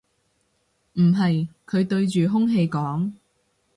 唔係，佢對住空氣講